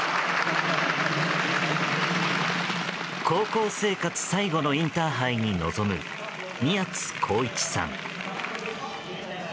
高校生活最後のインターハイに臨む宮津航一さん。